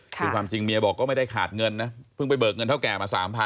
คือความจริงเมียบอกก็ไม่ได้ขาดเงินนะเพิ่งไปเบิกเงินเท่าแก่มา๓๐๐๐